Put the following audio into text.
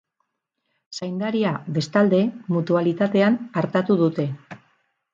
Zaindaria, bestalde, mutualitatean artatu dute.